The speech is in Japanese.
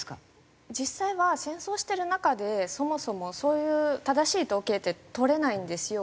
実際は戦争してる中でそもそもそういう正しい統計って取れないんですよ。